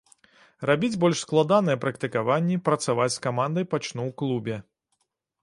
Рабіць больш складаныя практыкаванні, працаваць з камандай пачну ў клубе.